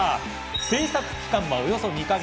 制作期間はおよそ２か月。